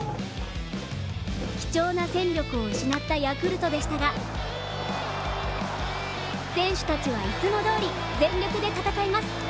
貴重な戦力を失ったヤクルトでしたが選手たちはいつも通り全力で戦います。